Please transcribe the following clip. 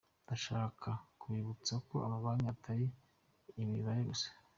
Ndashaka kubibutsa ko amabanki atari imibare gusa.